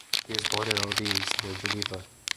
He was born in Eaux-Vives near Geneva.